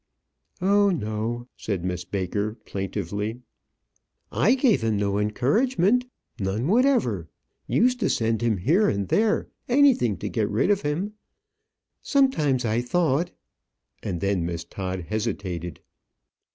"Oh, no!" said Miss Baker, plaintively. "I gave him no encouragement none whatever; used to send him here and there anything to get rid of him. Sometimes I thought " and then Miss Todd hesitated.